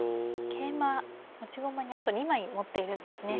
桂馬持ち駒にあと２枚持っているんですね。